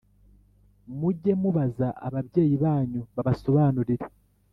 muge mubaza ababyeyi banyu babasobanurire